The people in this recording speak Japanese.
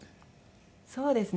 そうですね。